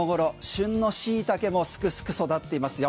旬のシイタケもすくすく育っていますよ。